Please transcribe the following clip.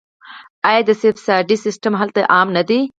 آیا د سبسایډي سیستم هلته عام نه دی؟